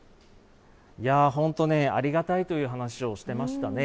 本当ね、ありがたいという話をしてましたね。